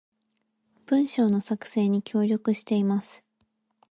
文章の作成に協力しています